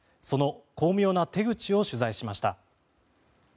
その巧妙な手口を取材しました。